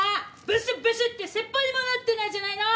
「ブスブス」って説法にもなってないじゃないの！